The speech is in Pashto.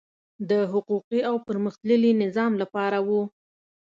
د حقوقي او پرمختللي نظام لپاره وو.